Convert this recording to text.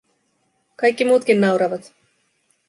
Kaikki muutkin nauravat.